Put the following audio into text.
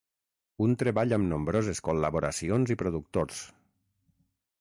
Un treball amb nombroses col·laboracions i productors.